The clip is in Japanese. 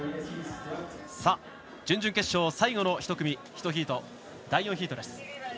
準々決勝最後の１組、１ヒート第４ヒートです。